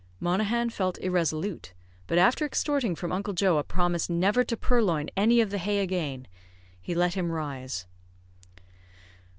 Monaghan felt irresolute, but after extorting from Uncle Joe a promise never to purloin any of the hay again, he let him rise.